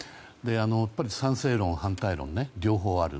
やっぱり賛成論、反対論と両方ある。